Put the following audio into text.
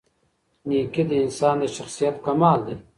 نېکي د انسان د شخصیت کمال دی.